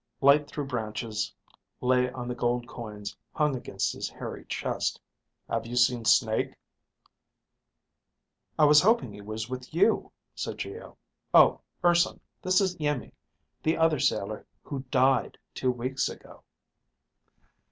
Light through branches lay on the gold coins hung against his hairy chest. "Have you seen Snake?" "I was hoping he was with you," said Geo. "Oh, Urson, this is Iimmi, the other sailor who died two weeks ago."